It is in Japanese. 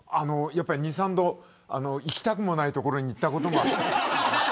２、３度行きたくもない所に行ったことがある。